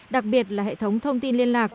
đặc biệt là hệ thống thông tin liên lạc